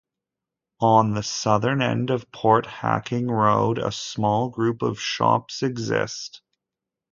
On the southern-end of Port Hacking road, a small group of shops exist.